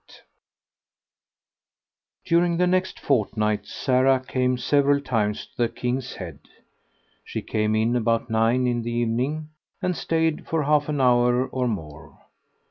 XXXVIII During the next fortnight Sarah came several times to the "King's Head." She came in about nine in the evening, and stayed for half an hour or more.